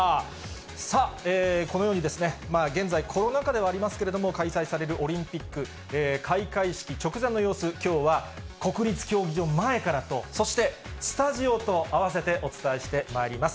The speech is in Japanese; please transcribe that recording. さあ、このように、現在、コロナ禍ではありますけれども、開催されるオリンピック開会式直前の様子、きょうは国立競技場前からと、そしてスタジオと併せてお伝えしてまいります。